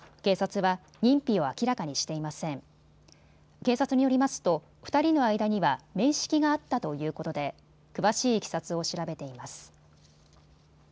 警察によりますと２人の間には面識があったということで詳しいいきさつを調べています。